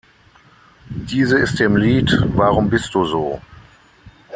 Diese ist dem Lied "Warum bist du so?